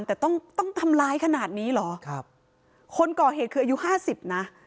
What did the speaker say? แต่ต้องต้องทำร้ายขนาดนี้เหรอครับคนก่อเหตุคืออายุห้าสิบนะ